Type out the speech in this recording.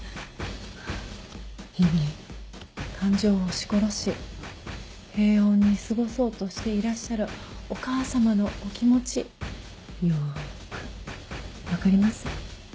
日々感情を押し殺し平穏に過ごそうとしていらっしゃるお母様のお気持ちよく分かります。